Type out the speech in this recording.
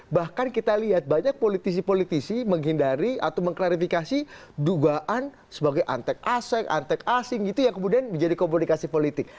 bahkan kita lihat banyak politisi politisi menghindari atau mengklarifikasi dugaan sebagai antek aseng antek asing gitu yang kemudian menjadi komunikasi politik